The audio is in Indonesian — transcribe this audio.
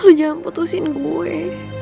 lo jangan putusin gue